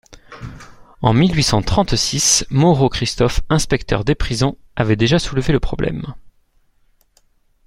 En mille huit cent trente-six, Moreau-Christophe, inspecteur des prisons, avait déjà soulevé le problème.